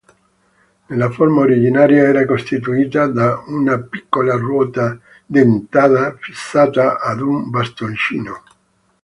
Nella forma originaria era costituita da una piccola ruota dentata fissata ad un bastoncino.